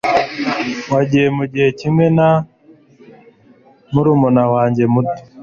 Wagiye mugihe kimwe na murumuna wanjye muto?